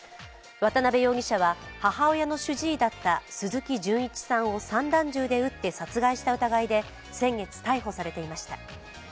渡辺容疑者は、母親の主治医だった鈴木純一さんを散弾銃で撃って殺害した疑いで先月、逮捕されていました。